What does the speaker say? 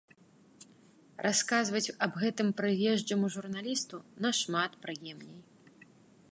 Расказваць аб гэтым прыезджаму журналісту нашмат прыемней.